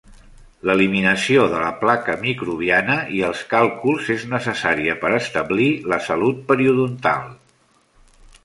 L'eliminació de la placa microbiana i els càlculs és necessària per establir la salut periodontal.